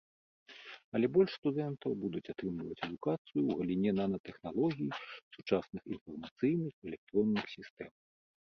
Але больш студэнтаў будуць атрымліваць адукацыю ў галіне нанатэхналогій, сучасных інфармацыйных, электронных сістэм.